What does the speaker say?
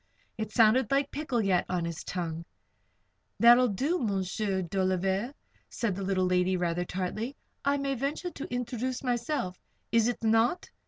It sounded like "Pickle yet" on his tongue. "That will do, M'sieur Dolliver," said the little lady, rather tartly. "I may venture to introduce myself is it not?"